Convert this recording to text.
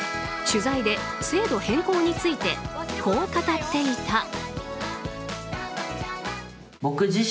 取材で、制度変更についてこう語っていた。